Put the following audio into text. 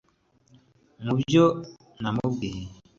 Mu byo namubwiye